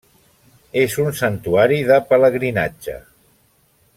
És un santuari de pelegrinatge.